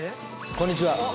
こんにちは。